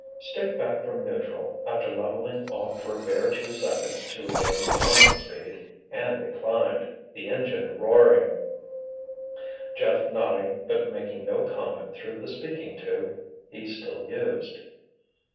Stick back from neutral, after leveling off for a bare two seconds to regain flying speed, and they climbed, the engine roaring, Jeff nodding but making no comment through the speaking tube he still used.